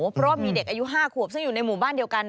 เพราะว่ามีเด็กอายุ๕ขวบซึ่งอยู่ในหมู่บ้านเดียวกัน